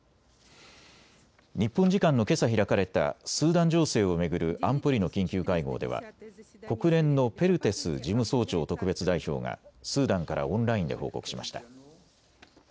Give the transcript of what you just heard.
日本時間のけさ開かれたスーダン情勢を巡る安保理の緊急会合では国連のペルテス事務総長特別代表がスーダンからオンラインで報告しました。